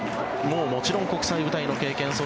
もちろん国際舞台の経験。